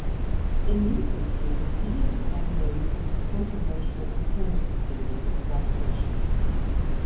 In recent years he has become known for his controversial alternative theories of gravitation.